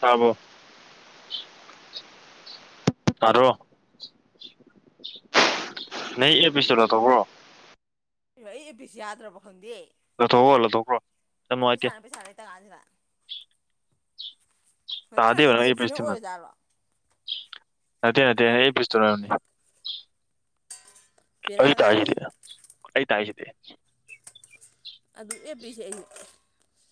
ꯇꯥꯔꯕꯣ ꯅꯩ ꯏꯌꯔꯄꯤꯁꯇꯣ ꯂꯧꯊꯣꯛꯈ꯭ꯔꯣ ꯑꯩ ꯏꯌꯔꯄꯤꯁ ꯌꯥꯗ꯭ꯔꯕ ꯈꯪꯗꯦ ꯂꯧꯊꯣꯛꯈ꯭ꯔꯣ ꯂꯧꯊꯣꯛꯈ꯭ꯔꯣ ꯌꯥꯝ ꯅꯨꯉꯥꯢꯇꯦ ꯄꯩꯁꯥꯅ ꯄꯩꯁꯥ ꯂꯩꯇ ꯀꯥꯟꯁꯤꯗ ꯅꯠꯇ꯭ꯔꯒ ꯑꯦꯞꯁꯤꯅ ꯑꯦꯌꯔꯄꯤꯁꯇꯨꯅ ꯑꯣꯏꯔꯖꯥꯔꯣ ꯅꯇꯦ ꯅꯇꯦ ꯅꯪ ꯏꯌꯔꯄꯤꯁꯇꯨꯅꯅꯤ ꯕꯦꯔꯥ ꯑꯩ ꯀꯥꯔꯦ ꯇꯥꯏꯁꯤꯗꯤ ꯑꯩ ꯇꯥꯏꯁꯤꯗꯤ ꯑꯩ ꯑꯌꯔꯄꯤꯁꯦ ꯑꯩꯩꯅ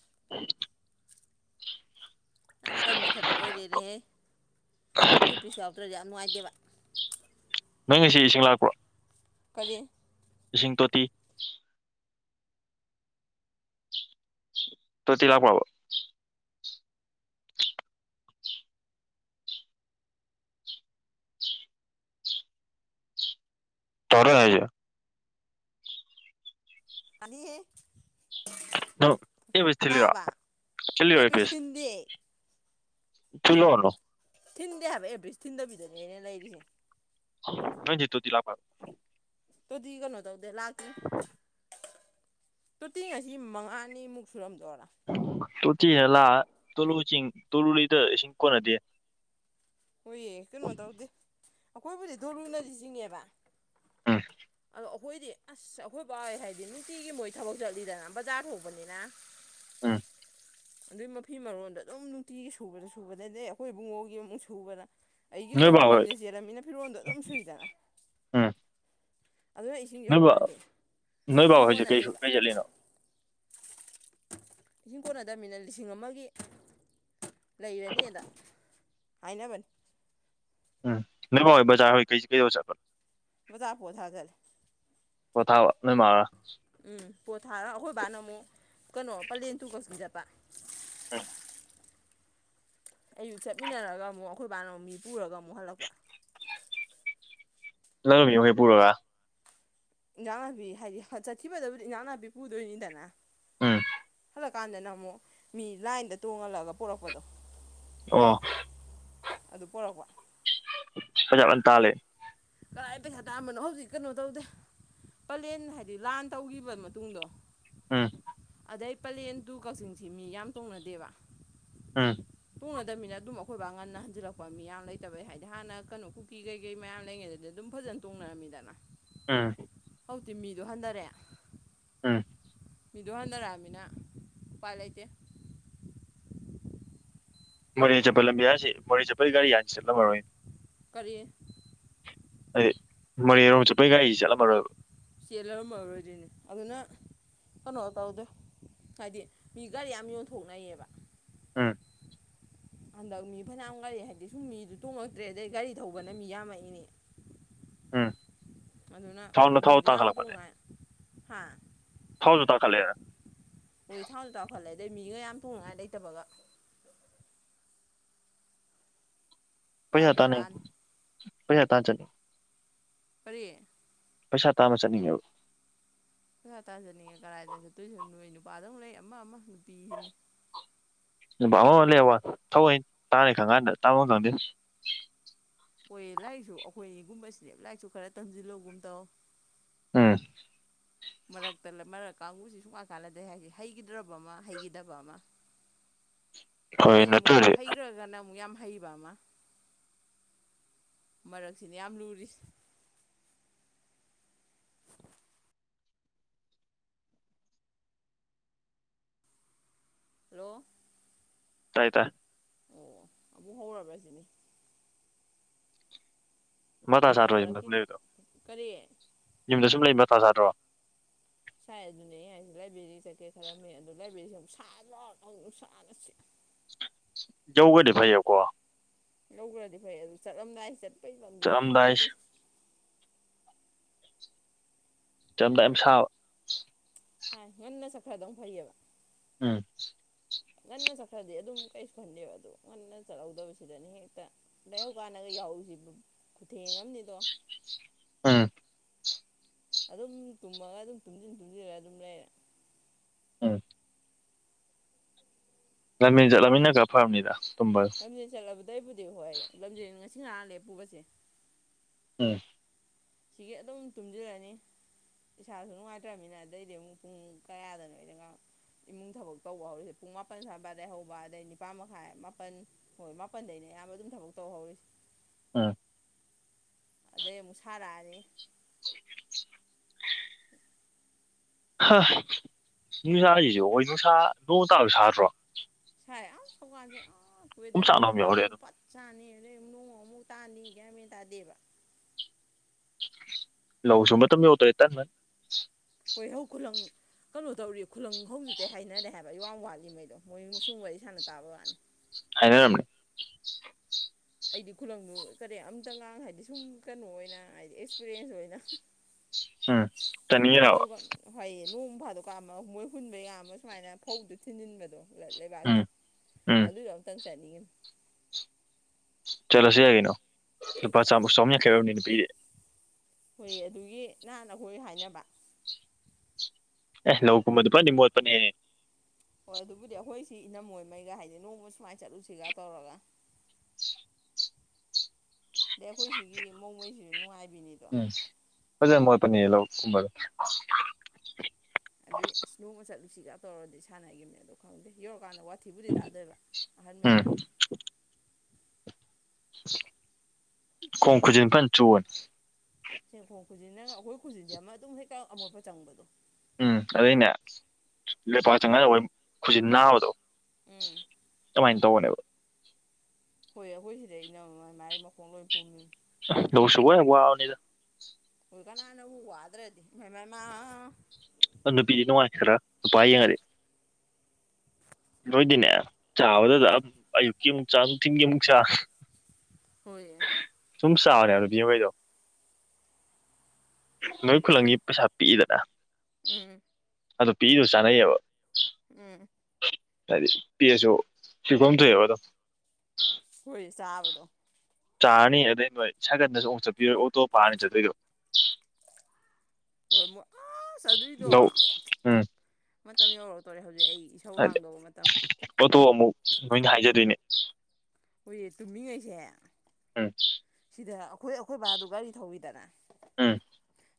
[inaudible] ꯌꯥꯝ ꯇꯟꯕ ꯊꯕꯛ ꯑꯣꯏꯔꯦꯅꯦꯍꯦ ꯑꯦꯌꯔꯄ꯭ꯔꯤꯁ ꯌꯥꯎꯗ꯭ꯔꯗꯤ ꯌꯥꯝ ꯅꯨꯡꯉꯥꯏꯇꯦꯕ ꯅꯪ ꯉꯥꯁꯤ ꯏꯁꯤꯡ ꯂꯥꯛꯄ꯭ꯔꯣ ꯀꯔꯤ ꯏꯁꯤꯡ ꯇꯣꯇꯤ ꯇꯣꯇꯤ ꯂꯥꯛꯄ꯭ꯔꯣꯕ ꯇꯔꯣꯏ ꯍꯥꯏꯖꯦ ꯇꯥꯅꯤꯍꯦ ꯅꯪ ꯏꯌꯔꯄꯤꯁ ꯊꯤꯜꯂꯤꯔꯣ ꯊꯤꯜꯂꯤꯔꯣ ꯑꯦꯞꯄꯤꯁ ꯏꯌꯔꯄꯤꯁ ꯊꯤꯟꯗꯦ ꯊꯤꯂꯣꯅꯣ ꯊꯤꯟꯗꯦ ꯍꯥꯏꯕ ꯏꯌꯔꯄꯤꯁ ꯊꯤꯟꯗꯕꯤꯗꯅꯦ ꯑꯩꯅ ꯂꯩꯔꯤꯁꯦ ꯅꯪꯏꯗꯤ ꯇꯣꯇꯤ ꯂꯥꯛꯄ꯭ꯔꯥ ꯇꯣꯇꯤ ꯀꯩꯅꯣ ꯇꯧꯗꯦ ꯂꯥꯛꯇ꯭ꯔꯤ ꯇꯣꯇꯤ ꯉꯥꯁꯤ ꯃꯉꯥꯅꯤꯃꯨꯛ ꯁꯨꯔꯝꯗꯧꯔ ꯇꯣꯇꯤꯅꯦꯅ ꯂꯥꯛꯑꯒ ꯇꯨꯂꯨꯆꯤꯡ ꯇꯨꯂꯨ ꯂꯤꯇꯗ ꯏꯁꯤꯡ ꯀꯣꯟꯅꯗꯦ ꯍꯣꯏꯌꯦ ꯀꯩꯅꯣ ꯇꯧꯗꯦ ꯑꯩꯈꯣꯏꯕꯨꯗꯤ ꯇꯣꯂꯨꯅꯗꯤ ꯆꯤꯡꯑꯦꯕ ꯎꯝ ꯑꯗꯣ ꯑꯩꯈꯣꯏꯗꯤ ꯑꯁ ꯑꯩꯈꯣꯏ ꯕꯥꯍꯣꯏ ꯍꯥꯏꯕꯗꯤ ꯅꯨꯡꯇꯤꯒꯤ ꯃꯣꯏ ꯊꯕꯛ ꯆꯠꯂꯤꯗꯅ ꯕꯖꯥꯔ ꯊꯣꯛꯄꯅꯤꯅ ꯎꯝ ꯑꯗꯨꯏ ꯃꯐꯤ ꯃꯔꯣꯟꯗꯣ ꯑꯗꯨꯝ ꯅꯨꯡꯇꯤꯒꯤ ꯁꯨꯕꯗ ꯁꯨꯕꯗ ꯑꯗꯩ ꯑꯩꯈꯣꯏ ꯏꯕꯨꯡꯉꯣꯒꯤ ꯑꯃꯨꯛ ꯁꯨꯕꯗ ꯑꯩꯒꯤꯁꯨ ꯅꯣꯏ ꯕꯥ ꯑꯃꯨꯛ ꯍꯣꯏ ꯂꯝꯖꯦꯜ ꯆꯦꯜꯂꯃꯤꯅ ꯐꯤꯔꯣꯟꯗꯣ ꯑꯗꯨꯝ ꯁꯨꯏꯗꯅ ꯎꯝ ꯑꯗꯨꯅ ꯏꯁꯤꯡꯁꯦ ꯅꯣꯏ ꯕꯥ ꯍꯧꯀꯥꯟꯁꯤ ꯅꯣꯏ ꯕꯥ ꯏꯁꯤꯡ ꯍꯣꯏꯁꯦ ꯀꯩ ꯀꯣꯟꯅꯗꯦꯕ ꯀꯩ ꯆꯠꯂꯤꯅꯣ ꯏꯁꯤꯡ ꯀꯣꯟꯅꯗꯕꯅꯤꯅ ꯂꯤꯁꯤꯡ ꯑꯃꯒꯤ ꯂꯩꯔꯅꯤꯕ ꯍꯥꯏꯅꯕꯅꯤ ꯎꯝ ꯅꯣꯏ ꯃꯥ ꯍꯣꯏ [unintelligible] ꯕꯖꯥꯔ ꯄꯣꯠ ꯊꯥꯕ ꯆꯠꯂꯦ ꯄꯣꯠꯊꯥꯕ ꯅꯣꯏ ꯃꯥꯅ ꯎꯝ ꯄꯣꯠ ꯊꯥꯔꯒ ꯑꯩꯈꯣꯏ ꯕꯥꯅ ꯑꯃꯨꯛ ꯀꯩꯅꯣ ꯄꯂꯦꯟ ꯇꯨ ꯀꯛꯆꯤꯡ ꯆꯠꯄ ꯎꯝ ꯑꯌꯨꯛ ꯆꯠꯃꯤꯟꯅꯔꯒ ꯑꯃꯨꯛ ꯑꯩꯈꯣꯏ ꯕꯥꯅ ꯑꯃꯨꯛ ꯃꯤ ꯄꯨꯔꯒ ꯑꯃꯨꯛ ꯍꯜꯂꯛꯄ ꯑꯤꯟꯖꯥꯡ ꯅꯥꯄꯤ ꯈꯩ ꯄꯨꯔꯒ ꯏꯟꯖꯥꯡ ꯅꯥꯄꯤ ꯍꯥꯏꯗꯤ ꯆꯠꯈꯤꯕꯗꯕꯨꯗꯤ ꯏꯟꯖꯥꯡ ꯅꯥꯄꯤ ꯄꯨꯗꯣꯏꯅꯤꯗꯅ ꯎꯝ ꯆꯠꯂꯀꯥꯟꯗꯅ ꯑꯃꯨꯛ ꯃꯤ ꯂꯥꯏꯟꯗ ꯇꯣꯡꯍꯜꯂꯒ ꯄꯔꯛꯄꯗꯣ ꯑꯣ ꯑꯗꯨ ꯄꯣꯔꯛꯄ [unintelligible] ꯀꯗꯥꯥꯏ ꯄꯩꯁꯥ ꯇꯥꯝꯕꯅꯣ ꯍꯧꯖꯤꯛ ꯀꯩꯅꯣ ꯇꯧꯗꯦ ꯄꯂꯦꯟ ꯍꯥꯏꯗꯤ ꯂꯥꯟ ꯇꯧꯈꯤꯕ ꯃꯇꯨꯡꯗꯣ ꯑꯝ ꯑꯗꯩ ꯄꯂꯦꯟ ꯇꯨ ꯀꯛꯆꯤꯡꯁꯤ ꯃꯤ ꯌꯥꯝ ꯇꯣꯡꯅꯗꯦꯕ ꯎꯝ ꯇꯣꯡꯅꯗꯕꯅꯤꯅ ꯑꯗꯨꯝ ꯑꯩꯈꯣꯏ ꯕꯥ ꯉꯟꯅ ꯍꯟꯖꯤꯜꯂꯛꯄ ꯃꯤ ꯌꯥꯝ ꯂꯩꯇꯕꯩ ꯍꯥꯏꯗꯤ ꯍꯥꯟꯅ ꯀꯩꯅꯣ ꯀꯨꯀꯤ ꯀꯩꯀꯩ ꯃꯌꯥꯝ ꯂꯩꯉꯩꯗ ꯑ ꯑꯗꯨꯝ ꯐꯖꯅ ꯇꯣꯡꯅꯔꯝꯃꯤꯗꯅ ꯎꯝ ꯍꯧꯖꯤꯛꯇꯤ ꯃꯤꯗꯣ ꯍꯟꯊꯔꯦ ꯎꯝ ꯃꯤꯗꯣ ꯍꯟꯊꯔꯛꯑꯃꯤꯅ ꯎꯄꯥꯏ ꯂꯩꯇꯦ ꯃꯣꯔꯦ ꯆꯠꯄ ꯂꯝꯕꯤꯔꯥ ꯁꯤ ꯃꯣꯔꯦ ꯆꯠꯄꯒꯤ ꯒꯥꯔꯤ ꯌꯥꯥꯝ ꯆꯠꯂꯝꯃꯔꯣꯏꯅꯦ ꯀꯔꯤ ꯍꯥꯏꯗꯤ ꯃꯣꯔꯦꯔꯣꯝ ꯆꯠꯄꯒꯤ ꯒꯥꯔꯤꯁꯤ ꯆꯠꯂꯝꯃꯔꯣꯏꯕ ꯆꯦꯜꯂꯝꯃꯔꯣꯢꯗꯣꯢꯅꯦ ꯑꯗꯨꯅ ꯀꯩꯅꯣ ꯇꯧꯗꯦ ꯍꯥꯏꯗꯤ ꯃꯤ ꯒꯥꯔꯤ ꯌꯥꯝ ꯌꯣꯟꯊꯣꯛꯅꯩꯌꯦꯕ ꯎꯝ ꯍꯟꯗꯛ ꯃꯤ ꯐꯅꯌꯥꯝ ꯉꯔꯤ ꯍꯥꯏꯕꯗꯤ ꯁꯨꯝ ꯃꯤꯗꯨ ꯇꯣꯡꯉꯛꯇ꯭ꯔꯦ ꯑꯗꯩ ꯒꯥꯔꯤ ꯊꯧꯕꯅ ꯃꯤ ꯌꯥꯝꯃꯛꯏꯅꯦ ꯎꯝ ꯑꯗꯨꯅ ꯊꯥꯎꯅ ꯊꯥꯎ ꯃꯤꯗꯨ ꯌꯥꯝ ꯇꯥꯡꯈꯠꯂꯛꯄꯅꯦ ꯇꯣꯡꯗꯦ ꯍꯥ ꯊꯥꯎꯁꯨ ꯇꯥꯡꯈꯠꯂꯛꯑꯦ ꯍꯣꯏ ꯊꯥꯎꯁꯨ ꯇꯥꯡꯈꯠꯂꯦ ꯑꯗꯩ ꯃꯤꯒ ꯌꯥꯝ ꯊꯣꯡꯅꯉꯥꯏ ꯂꯩꯇꯕꯒ ꯄꯨꯔꯥ ꯄꯩꯁꯥ ꯇꯥꯟꯅꯤꯡꯉꯦ ꯕꯦꯔꯥꯅꯤ ꯄꯩꯁꯥ ꯇꯥꯟ ꯆꯠꯅꯤꯡꯉꯦ ꯀꯔꯤ ꯄꯩꯁꯥ ꯇꯥꯟꯕ ꯆꯠꯅꯤꯡꯉꯦꯕ ꯄꯩꯁꯥ ꯇꯥꯟ ꯆꯠꯅꯤꯡꯉꯦ ꯀꯗꯥꯥꯏꯗꯅꯣ ꯆꯠꯇꯣꯏꯁꯤꯕꯨ ꯅꯣꯏ ꯅꯨꯄꯥꯗꯤ ꯂꯩ ꯑꯃ ꯑꯃ ꯅꯨꯄꯤꯁꯤꯅꯤ ꯅꯨꯄꯥ ꯑꯃꯃ ꯂꯩꯕ ꯊꯧꯑꯣꯏ ꯇꯥꯅꯤ ꯈꯟꯀꯥꯟꯗ ꯇꯥꯟꯕꯝ ꯈꯪꯗꯦ ꯍꯣꯏ ꯂꯥꯏꯔꯤꯛꯁꯨ ꯑꯩꯈꯣꯏꯒꯨꯝꯕꯁꯤꯅꯦ ꯂꯥꯏꯔꯤꯛꯁꯨ ꯈꯔ ꯇꯝꯁꯤꯜꯂꯧꯒꯨꯝ ꯇꯧ ꯎꯝ ꯃꯔꯛꯇ ꯃꯔꯛ ꯀꯥꯡꯕꯨꯁꯤ ꯁꯨꯡꯀꯥꯟ ꯀꯥꯟꯂꯗꯦ ꯍꯥꯏꯁꯦ ꯍꯩꯈꯤꯗ꯭ꯔꯕ ꯑꯃ ꯍꯩꯈꯤꯗꯕ ꯑꯃ ꯍꯣꯏ ꯑꯗꯩ ꯑꯃꯨꯛ ꯅꯠꯇ꯭ꯔꯗꯤ ꯍꯩꯈ꯭ꯔꯒꯅ ꯑꯃꯨꯛ ꯌꯥꯝ ꯍꯩꯕ ꯑꯃ ꯃꯔꯛꯁꯤꯅ ꯌꯥꯝ ꯂꯨꯔꯤꯁꯦ ꯍꯦꯜꯂꯣ ꯇꯥꯏ ꯇꯥꯢ ꯑꯃꯨꯛ ꯍꯧꯔꯕ꯭ꯔꯥ ꯁꯤꯅꯤ ꯃꯇꯥ ꯃꯔꯛ ꯁꯥꯗ꯭ꯔꯣ ꯌꯨꯝꯗ ꯃꯔꯛꯀꯤ ꯁꯨꯝ ꯂꯩꯕꯗꯣ ꯀꯔꯤ ꯌꯨꯝꯗ ꯁꯨꯝ ꯂꯩ ꯃꯇꯥ ꯆꯥꯗ꯭ꯔꯣ ꯁꯥꯏ ꯑꯗꯨꯅꯦ ꯑꯩ ꯍꯥꯏꯁꯦ ꯂꯥꯏꯕ꯭ꯔꯦꯔꯤ ꯆꯠꯀꯦ ꯈꯜꯂꯝꯃꯦ ꯑꯗꯣ ꯂꯥꯢꯕꯦꯔꯤ ꯅꯨꯡꯁꯥ [unintelligible] ꯌꯧꯒ꯭ꯔꯗꯤ ꯐꯩꯑꯦꯕꯀꯣ ꯂꯧꯈ꯭ꯔꯗꯤ ꯐꯔꯦ ꯑꯗꯨ ꯆꯠꯂꯝꯗꯥꯏ ꯆꯠꯄꯩ ꯂꯝꯕꯤꯁꯤꯅꯦ ꯆꯠꯂꯝꯗꯥꯏ ꯇꯜꯂꯤꯁꯦ ꯆꯠꯂꯝꯗꯥꯢ ꯗꯧꯝ ꯁꯥꯕ ꯁꯥꯏ ꯉꯟꯅ ꯆꯠꯈ꯭ꯔꯗꯧ ꯐꯩꯌꯦꯕ ꯎꯝ ꯉꯟꯅ ꯆꯠꯈ꯭ꯔꯗꯤ ꯑꯗꯨꯝ ꯀꯩꯁꯨ ꯈꯟꯗꯦꯕ ꯑꯗꯨ ꯉꯟꯅ ꯆꯠꯍꯧꯗꯕꯁꯤꯗꯅꯦ ꯍꯦꯛꯇ ꯂꯥꯏꯍꯧ ꯀꯥꯟꯗꯒ ꯌꯥꯍꯧꯁꯤꯁꯨ ꯈꯨꯊꯦꯡ ꯑꯃꯅꯤꯗꯣ ꯎꯝ ꯑꯗꯨꯝ ꯇꯨꯝꯃꯒ ꯑꯗꯨꯝ ꯇꯨꯝꯁꯤꯟ ꯇꯨꯝꯁꯤꯜꯂꯒ ꯑꯗꯨꯝ ꯂꯩꯔꯦ ꯎꯝ [unintelligible] ꯐꯕꯅꯤꯗ ꯂꯝꯖꯦꯜ ꯆꯠꯂꯕꯗꯩꯕꯨꯗꯤ ꯍꯣꯏ ꯂꯝꯖꯦꯜ ꯉꯁꯤ ꯉꯔꯥꯡ ꯂꯦꯞꯄꯨꯕꯁꯦ ꯎꯝ ꯁꯤꯒꯤ ꯑꯗꯨꯝ ꯇꯨꯝꯖꯤꯜꯂꯅꯤ ꯏꯁꯥꯁꯨ ꯅꯨꯡꯉꯥꯏꯇ꯭ꯔꯕꯃꯤꯅ ꯑꯗꯩꯗꯤ ꯑꯃꯨꯛ ꯄꯨꯡ ꯀꯌꯥꯗꯅꯣꯔꯒ ꯏꯃꯨꯡ ꯊꯕꯛ ꯇꯧꯕ ꯍꯧꯔꯤꯁꯦ ꯄꯨꯡ ꯃꯥꯄꯜ ꯁ꯭ꯋꯥꯢꯗꯩ ꯍꯧꯕ ꯑꯗꯩ ꯅꯤꯄꯥꯥꯟ ꯃꯈꯥꯏ ꯃꯥꯄꯜ ꯍꯣꯏ ꯃꯥꯄꯜꯗꯩꯅꯦ ꯑꯌꯥꯝꯕ ꯑꯗꯨꯝ ꯊꯕꯛ ꯇꯧꯍꯧꯔꯤꯁ ꯎꯝ ꯑꯗꯩ ꯑꯃꯨꯛ ꯁꯥꯔꯛꯑꯅꯤ [inaudible] ꯍ ꯅꯨꯡꯁꯥꯁꯤꯁꯨ ꯍꯣꯢ ꯅꯨꯡꯁꯥ ꯅꯣꯡ ꯇꯥꯔꯁꯨ ꯁꯥꯗ꯭ꯔꯣ ꯍꯣꯢ ꯑꯁ [unintelligible] ꯑꯥ ꯑꯗꯨꯝ ꯋꯦꯗꯔꯁꯦ ꯆꯥꯛꯅ ꯑꯃ ꯅꯨꯡꯁꯥ ꯌꯥꯎꯔꯦ ꯑꯃꯨꯛ ꯑꯗꯨꯝ ꯐꯠ ꯁꯥꯅꯤ ꯅꯣꯡ ꯑꯃꯨꯛ ꯇꯥꯅꯤ ꯒ꯭ꯌꯥꯟ ꯃꯦꯟ ꯇꯥꯗꯦꯕ ꯂꯧꯁꯨ ꯃꯇꯝ ꯍꯧꯔꯛꯇꯣꯔꯦ ꯅꯟꯕ ꯌꯣꯢ ꯍꯧ ꯈꯨꯨꯂꯪ ꯀꯩꯅꯣ ꯇꯧꯔꯤ ꯈꯨꯂꯪ ꯍꯧꯖꯤꯛꯇꯩ ꯍꯥꯏꯅꯔꯦ ꯍꯥꯏꯕ ꯑꯩ ꯋꯥꯡ ꯋꯥꯠꯂꯤꯉꯩꯗꯣ ꯃꯣꯏ ꯁꯨꯝ ꯋꯥꯔꯤ ꯁꯥꯟꯅ ꯇꯥꯕ ꯋꯥꯅꯤ ꯍꯥꯏꯅꯔꯝꯅꯦ ꯑꯩꯗꯤ ꯈꯨꯂꯪꯗꯨ ꯀꯔꯤ [unintelligible] ꯍꯥꯏꯕꯗꯤ ꯁꯨꯝ ꯀꯩꯅꯣ ꯑꯣꯏꯅ ꯍꯥꯏꯗꯤ ꯑꯦꯛꯁꯄꯤꯔꯤꯌꯦꯟꯁ ꯑꯣꯏꯅ ꯎꯝ ꯇꯝꯅꯤꯡꯉꯤꯔꯕ ꯅꯣꯡꯃ ꯐꯥꯗꯣꯛ ꯀꯥ ꯃꯣꯏ ꯍꯨꯟꯕ ꯌꯥꯕ ꯁꯨꯃꯥꯏꯅ ꯐꯧꯗꯣ ꯊꯤꯟꯖꯤꯟꯕꯗꯣ ꯂꯩꯕꯥꯛꯇ ꯎꯝ ꯎꯝ ꯑꯗꯨꯁꯨ ꯑꯝꯇꯪ ꯆꯠꯅꯤꯡꯉꯤꯝ ꯆꯂꯨꯁꯤ ꯌꯥꯏ ꯀꯩꯅꯣ ꯂꯨꯄꯥ ꯆꯃ ꯆꯍꯨꯝ ꯌꯥꯡꯈꯩ ꯑꯣꯢꯔꯝꯅꯤ ꯀꯩꯅꯣ ꯅꯨꯄꯤꯒꯤ ꯍꯣꯏ ꯑꯗꯨꯒꯤ ꯅꯍꯥꯟ ꯑꯈꯣꯏ ꯍꯥꯏꯅꯕ ꯑꯦ ꯂꯧ ꯀꯨꯝꯕꯗꯣ ꯐꯖꯅꯗꯤ ꯃꯣꯠꯄꯅꯦꯍꯦ ꯍꯣꯏ ꯑꯗꯨꯕꯨꯗꯤ ꯑꯩꯈꯣꯏ ꯁꯤ ꯏꯅꯝꯃ ꯃꯣꯏꯉꯩꯒ ꯍꯥꯏꯗꯤ ꯅꯣꯡꯃ ꯁꯨꯃꯥꯏꯅ ꯆꯠꯂꯨꯁꯤꯒ ꯇꯧꯔꯒ [inaudible] ꯑꯗꯩ ꯑꯩꯈꯣꯏ ꯁꯤꯒꯤ ꯅꯨꯡꯉꯥꯏ ꯎꯝ ꯐꯖꯅ ꯃꯣꯠꯄꯅꯦ ꯂꯧ ꯀꯨꯝꯕꯗꯣ ꯑꯗꯨꯏ ꯑꯁ ꯅꯣꯡꯃ ꯆꯠꯂꯨꯁꯤꯒ ꯇꯧꯔꯗꯤ ꯁꯥꯟꯅꯈꯤꯕꯅꯤ ꯑꯗꯣ ꯈꯪꯗꯦ ꯌꯧꯔꯀꯥꯟꯗ ꯊꯤꯕꯨꯗꯤ ꯇꯥꯗꯣꯏꯕ ꯎꯝ ꯑꯍꯥꯟꯉꯩꯅ ꯈꯣꯡ ꯈꯨꯖꯤꯟ ꯐꯖꯅ [unintelligible] ꯁꯦꯡꯕ ꯈꯣꯡ ꯈꯨꯖꯤꯟꯗꯒ ꯑꯩꯈꯣꯏ ꯈꯨꯖꯤꯟꯁꯦ ꯑꯃ ꯑꯗꯨꯝ ꯍꯦꯛꯀ ꯑꯃꯣꯠꯄ ꯆꯪꯕꯗꯣ ꯎꯝ ꯑꯗꯨꯏꯅꯦ ꯂꯩꯄꯥꯛ ꯆꯪꯉ ꯑꯣꯢꯝ ꯈꯨꯁꯤꯟ ꯅꯥꯕꯗꯣ ꯎꯝ ꯀꯃꯥꯏꯅ ꯇꯧꯕꯅꯦꯕ ꯍꯣꯏ ꯑꯩꯈꯣꯏ ꯁꯤꯗꯩ ꯏꯅꯝꯃ ꯑꯃ ꯃꯥꯏ ꯃꯈꯣꯡ ꯂꯣꯏ ꯄꯨꯝꯃꯤ ꯂꯧꯁꯨꯕ ꯋꯥꯕꯅꯤꯗ ꯀꯅꯥꯅ ꯎ ꯋꯥꯗ꯭ꯔꯗꯤ ꯃ ꯃꯃ ꯅꯣꯢ ꯅꯨꯄꯤꯗꯤ ꯅꯨꯡꯉꯥꯏꯈ꯭ꯔꯦꯗ ꯅꯨꯄꯥ ꯌꯦꯡꯉꯗꯤ ꯅꯣꯏꯗꯤꯅꯦ ꯆꯥꯕꯗꯨꯗ ꯑꯌꯨꯛꯀꯤ ꯑꯃꯨꯛ ꯆꯥ ꯅꯨꯡꯊꯤꯟꯒꯤ ꯑꯃꯨꯛ ꯆꯥ ꯍꯣꯏ ꯁꯨꯝ ꯆꯥꯎꯔꯦ ꯕꯤꯕꯤ ꯍꯣꯏꯗꯣ ꯅꯣꯏ ꯈꯨꯂꯪꯒꯤ ꯄꯩꯁꯥ ꯄꯤꯛꯏꯗꯅ ꯎꯝ ꯑꯗꯨ ꯄꯤꯗꯨ ꯆꯥꯅꯩꯑꯕ ꯎꯝ ꯍꯥꯏꯗꯤ ꯄꯤꯁꯨ ꯁꯤꯐꯝ ꯊꯣꯛꯏ ꯑꯕꯗꯣ ꯍꯣꯏ ꯆꯥꯕꯗꯣ ꯆꯥꯔꯅꯤ ꯑꯗꯩ ꯅꯣꯏ ꯁꯥꯏꯀꯜꯗꯁꯨ ꯑꯃꯨꯛ ꯆꯠꯄꯤꯔꯣꯏ ꯑꯣꯇꯣ ꯐꯔꯥꯒꯅꯤ ꯆꯠꯇꯣꯏꯗꯣ ꯍꯣꯏ ꯃꯣꯏ ꯑꯁ ꯑꯗꯨꯏꯗꯣ ꯅꯧ ꯎꯝ ꯃꯇꯝ ꯌꯧꯔꯛ ꯇꯧꯔꯦ ꯑꯩ ꯍꯧꯖꯤꯛ ꯑꯩ ꯏꯁꯧ ꯂꯥꯡꯗꯧꯕ ꯃꯇꯝ ꯇꯣ ꯑꯃꯨꯛ ꯅꯣꯏꯅ ꯍꯥꯏꯖꯗꯣꯏꯅꯦ [unintelligible] ꯎꯝ ꯁꯤꯗ ꯑꯩꯈꯣꯏ ꯑꯩꯈꯣꯏ ꯕꯥꯗꯨ ꯒꯥꯔꯤ ꯊꯧꯋꯤꯗꯅ ꯎꯝ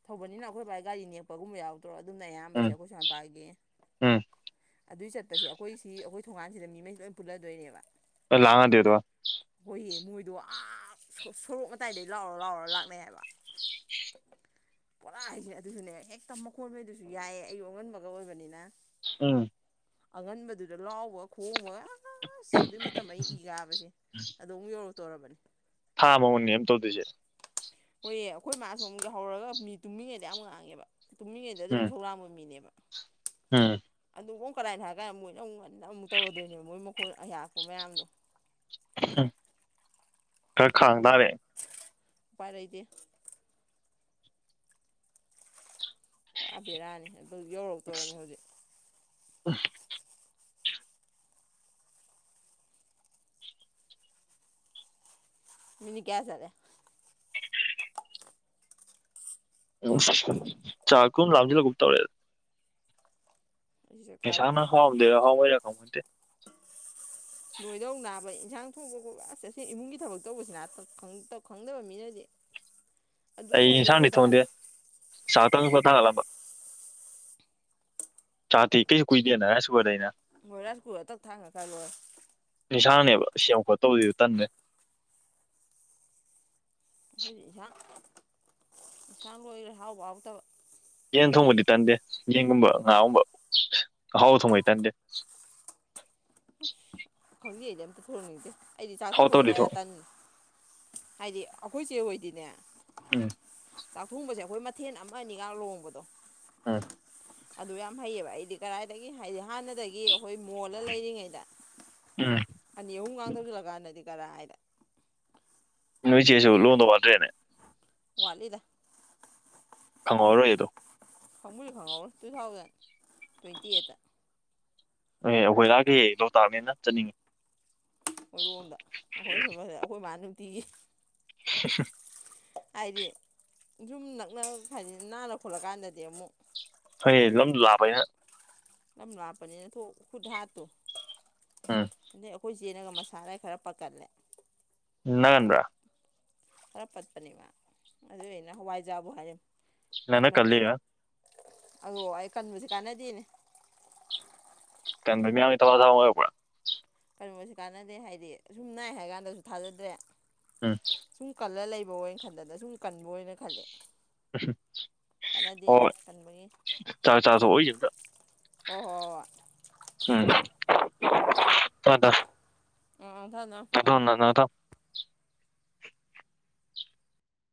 ꯊꯧꯕꯅꯤꯅ ꯑꯩꯈꯣꯏꯕꯥ ꯒꯥꯔꯤ ꯅꯦꯛꯄꯒꯨꯝꯕ ꯌꯥꯎꯗ꯭ꯔꯣ ꯑꯗꯨꯝꯅ ꯎꯝ ꯑꯌꯥꯝꯕꯁꯦ ꯑꯩꯈꯣꯏ ꯁꯣꯝ ꯃꯄꯥꯒꯤ ꯎꯝ ꯑꯗꯨꯏ ꯆꯠꯄꯁꯦ ꯑꯈꯣꯏ ꯁꯤ ꯑꯈꯣꯏ ꯊꯣꯡꯒꯥꯟꯁꯤꯗ ꯃꯤꯍꯩꯁꯤ ꯂꯣꯏ ꯄꯨꯜꯂꯗꯣꯏꯅꯦꯕ [unintelligible] ꯏ ꯃꯣꯏꯗꯣ ꯑꯥ ꯁꯣꯔꯣꯛ ꯃꯇꯥꯏꯗꯩ ꯂꯥꯎꯔ ꯂꯥꯎꯔ ꯂꯥꯛꯅꯩ ꯍꯥꯏꯕ ꯄꯣꯔꯥ ꯍꯥꯏꯖꯤ ꯑꯗꯨꯁꯨꯅꯦ ꯍꯦꯛꯇ ꯃꯈꯣꯟ ꯃꯩꯗꯨꯁꯨ ꯌꯥꯛꯑꯦ ꯑꯌꯨꯛ ꯑꯉꯟꯕꯒ ꯑꯣꯏꯕꯅꯤꯅ ꯎꯝ ꯑꯉꯟꯕꯗꯨꯗ ꯂꯥꯎꯕ ꯈꯣꯡꯕꯒ ꯑꯥꯁ ꯑꯗꯨꯏ ꯃꯇꯝ ꯑꯩ ꯏ ꯀꯥꯕꯁꯤ ꯑꯗꯣꯝꯒꯤ ꯌꯧꯔꯛꯇꯣꯔꯕꯅꯤ [unintelligible] ꯇꯧꯗꯨꯏꯁꯦ ꯍꯣꯏꯌꯦ ꯑꯈꯣꯏ ꯃꯥ ꯁꯨ ꯑꯃꯨꯛ ꯌꯥꯍꯧꯔꯒ ꯃꯤ ꯇꯨꯡꯃꯤꯉꯩꯗ ꯌꯥꯝ ꯉꯥꯡꯉꯦꯕ ꯇꯨꯝꯃꯤꯉꯩꯗ ꯑꯗꯨꯝ ꯎꯝ ꯏꯁꯧ ꯂꯥꯡꯕ ꯃꯤꯅꯦꯕ ꯎꯝ [unintelligible] ꯀꯗꯥꯥꯏꯅꯣ ꯍꯥꯏ ꯀꯥꯟꯗ ꯃꯣꯏꯅ ꯑꯃꯨꯛ ꯉꯟꯅ ꯑꯃꯨꯛ ꯇꯧꯔꯗꯣꯏꯅꯦꯕ ꯃꯣꯏ ꯃꯈꯣꯏ ꯑꯌꯥꯛꯄ ꯃꯌꯥꯝꯗꯣ ꯍꯨꯡ ꯈꯔ ꯈꯥꯡ ꯇꯥꯔꯦ ꯎꯄꯥꯏꯂꯩꯇꯦ ꯄꯨꯔꯥ ꯕꯦꯔꯥꯅꯤ ꯑꯗꯨ ꯌꯧꯔꯛ ꯇꯧꯔꯣꯃꯤ ꯍꯧꯖꯤꯛ [unintelligible] ꯃꯤꯅꯤꯠ ꯀꯌꯥ ꯆꯠꯂꯦ [unintelligible] ꯆꯥꯛꯇꯨꯝ ꯂꯥꯝꯖꯜꯂꯛꯀꯨꯝ ꯇꯧꯔꯦ ꯑꯩꯁꯨ ꯆꯥꯛ ꯆꯥꯗ꯭ꯔꯤ [unintelligible] ꯏꯟꯖꯥꯡ ꯊꯣꯡꯕ ꯈꯣꯠꯕ ꯑꯁ ꯑꯁꯤ ꯏꯃꯨꯡꯒꯤ ꯊꯕꯛ ꯇꯧꯕꯁꯤꯅ ꯈꯪꯇ ꯈꯪꯗꯕ ꯃꯤꯅꯗꯤ ꯑꯗꯨꯕꯨ ꯑꯩ ꯏꯟꯁꯥꯡ ꯗꯤ ꯑꯗꯨꯕꯨꯗ ꯊꯣꯡꯗꯦ ꯍꯥꯏꯕ ꯆꯥꯛꯇꯪ ꯊꯥꯒꯠꯂꯝꯕ ꯆꯥꯛꯇꯤ ꯀꯩꯖꯨ ꯀꯨꯏꯗꯦꯅ ꯂꯥꯏꯁ ꯀꯨꯀ꯭ꯔꯗꯅꯤꯅ ꯍꯣꯏ ꯂꯥꯏꯁ ꯀꯨꯀ꯭ꯔ ꯇꯛ ꯊꯥꯒꯠꯈꯥ ꯂꯣꯏꯔꯦ ꯇꯥꯟꯕꯩ ꯑꯩꯈꯣꯏꯗꯤ ꯏꯟꯁꯥꯡ ꯏꯟꯁꯥꯡ ꯂꯣꯏꯔꯦ ꯍꯥꯎꯕ ꯍꯥꯎꯇꯕ ꯌꯦꯟ ꯊꯣꯡꯕꯗꯤ ꯇꯟꯗꯦ ꯌꯦꯟꯒꯨꯝꯕ ꯉꯥꯒꯨꯝꯕ ꯑꯍꯥꯎ ꯊꯣꯡꯕꯗꯤ ꯇꯟꯗꯦ [inaudible] ꯎꯁ ꯈꯪꯗꯦ ꯑꯩꯗꯤ ꯑꯝꯇ ꯊꯣꯡꯅꯤꯡꯗꯦ ꯑꯩꯗꯤ ꯆꯥꯛ ꯊꯣꯡꯕꯗꯤ ꯍꯥꯎꯇꯕꯗꯤ ꯊꯣꯡ ꯀꯌꯥ ꯇꯟ ꯍꯥꯏꯗꯤ ꯑꯈꯣꯏ ꯆꯦ ꯍꯣꯏꯗꯤꯅꯦ ꯎꯝ ꯆꯥꯛꯊꯣꯡꯕꯖꯦ ꯑꯈꯣꯏ ꯃꯊꯦꯜ ꯑꯃ ꯑꯅꯤꯒ ꯂꯣꯡꯕꯗꯣ ꯎꯝ ꯑꯗꯨ ꯌꯥꯝ ꯍꯩꯌꯦꯕ ꯑꯩꯗꯤ ꯀꯔꯥꯏꯗꯒꯤ ꯍꯥꯏꯗꯤ ꯍꯥꯟꯅꯗꯒꯤ ꯑꯈꯣꯏ ꯃꯣꯜꯂ ꯂꯩꯔꯤꯉꯩꯗ ꯎꯝ ꯑꯅꯤ ꯑꯍꯨꯝ ꯉꯥꯡꯇꯧꯁꯜꯂꯀꯥꯟꯗꯗꯤ ꯀꯔꯥꯏꯗ ꯅꯣꯏ ꯆꯦꯁꯨ ꯂꯨꯍꯣꯡꯗꯧ ꯋꯥꯠꯇ꯭ꯔꯦꯅꯦ ꯋꯥꯠꯂꯤꯗ ꯈꯪꯍꯧꯔꯣꯏ ꯑꯗꯣ ꯄꯥꯝꯃꯨꯏ ꯈꯪꯍꯧꯔꯣ ꯇꯨ ꯊꯥꯎꯖꯟ ꯇ꯭ꯋꯦꯟꯇꯤ ꯑꯦꯠꯇ ꯑꯦ ꯑꯈꯣꯏ ꯂꯥꯛꯀꯦ ꯂꯣꯛꯇꯥꯛꯅꯤꯅ ꯆꯠꯅꯤꯡꯉꯤ ꯑꯩꯔꯣꯝꯗ ꯑꯩꯈꯣꯏꯅ ꯁꯣꯏꯕꯁꯦ ꯑꯩꯈꯣꯏ ꯏꯃꯥꯅ ꯅꯨꯡꯇꯤꯒꯤ [unintelligible] ꯍꯥꯏꯗꯤ ꯌꯨꯝ ꯅꯛꯅ ꯐꯩꯏꯅꯤ ꯅꯥꯟꯅ ꯈꯣꯠꯂꯀꯥꯟꯗꯗꯤ ꯑꯃꯨꯛ ꯐꯩꯌꯦ ꯂꯝ ꯂꯥꯝꯄꯅꯤꯅ ꯂꯝ ꯂꯥꯞꯄꯅꯤꯅ ꯊꯨ ꯈꯨꯨꯠ ꯍꯥꯠꯇꯣ ꯎꯝ ꯑꯗꯩ ꯈꯣꯏ ꯆꯦꯅꯒ ꯃꯁꯥꯅ ꯈꯔ ꯄꯥꯠꯀꯠꯂꯦ ꯅꯥꯟꯕꯔꯥ ꯈꯔ ꯄꯠꯄꯅꯦꯕ ꯑꯗꯨꯏ ꯑꯩꯅ ꯍꯋꯥꯏꯖꯥꯕꯨ ꯍꯥꯏꯔꯦ ꯅꯪꯅꯥ ꯄꯠꯃꯟꯗꯅ ꯀꯜꯂꯤꯔꯥ ꯑꯗꯣ ꯑꯩ ꯀꯟꯕꯁꯦ ꯀꯥꯟꯅꯗꯦꯅꯦ ꯀꯟꯕ ꯃꯌꯥꯃꯒꯤ [unintelligible] ꯑꯣꯏꯔꯛꯄꯔꯥ ꯀꯟꯕꯁꯨ ꯀꯥꯟꯅꯗꯦ ꯍꯥꯏꯗꯤ ꯑꯁꯨꯝ ꯅꯥꯏ ꯍꯥꯏꯔ ꯀꯥꯟꯗꯁꯨ ꯊꯥꯖꯗ꯭ꯔꯦ ꯎꯝ ꯁꯨꯝ ꯀꯜꯂ ꯂꯩꯕ ꯕ ꯑꯣꯏꯅ ꯈꯟꯗꯅ ꯁꯨꯝ ꯀꯟꯕ ꯑꯣꯏꯅ ꯈꯜꯂꯦ ꯀꯥꯟꯅꯗꯦꯅꯦ ꯍꯣꯏ ꯀꯟꯕꯒꯤ ꯆꯥꯛ ꯆꯥꯁꯨ ꯑꯣꯏꯖꯗ ꯑꯣꯍꯣꯏ ꯍꯗ ꯑꯥ ꯑꯥ ꯊꯝꯃꯣ ꯊꯝꯃꯣ ꯑꯗꯨꯅ ꯅꯗ